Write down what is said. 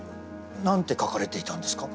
何て書かれていたんですか？